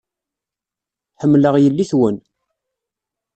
Ḥemmleɣ yelli-twen.